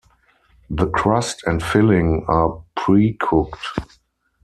The crust and filling are pre-cooked.